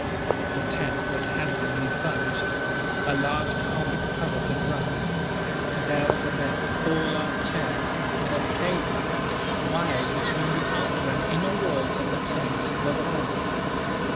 The tent was handsomely furnished. A large carpet covered the ground. There was a bed, four large chairs, and a table; while between the outer and inner walls of the tent was a bath.